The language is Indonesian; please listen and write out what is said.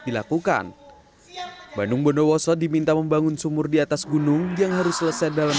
dilakukan bandung bondowoso diminta membangun sumur di atas gunung yang harus selesai dalam